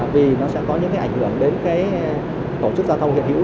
vì nó sẽ có những ảnh hưởng đến tổ chức giao thông hiện hữu